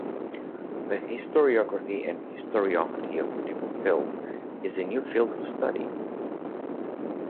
The historiography and historiophoty of medieval film is a new field of study.